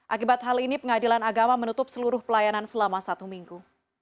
akibat hal ini pengadilan agama menutup seluruh pelayanan selama satu minggu